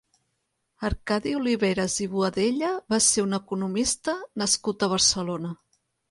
Arcadi Oliveres i Boadella va ser un economista nascut a Barcelona.